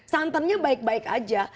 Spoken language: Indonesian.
santannya baik baik aja